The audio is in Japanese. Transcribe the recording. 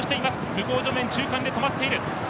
向正面中間で止まっている。